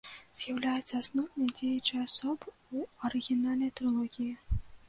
З'яўляецца асноўнай дзеючай асобай у арыгінальнай трылогіі.